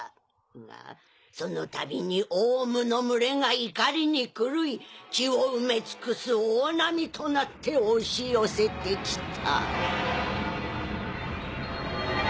がそのたびに王蟲の群れが怒りに狂い地を埋め尽くす大波となって押し寄せてきた。